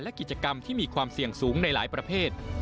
และกิจกรรมที่มีความเสี่ยงสูงในหลายประเภท